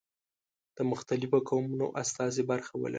د مختلفو قومونو استازي برخه ولري.